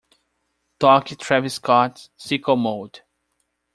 Toque Travis Scott Sicko Mode.